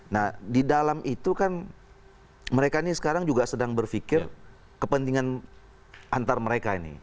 nah di dalam itu kan mereka ini sekarang juga sedang berpikir kepentingan antar mereka ini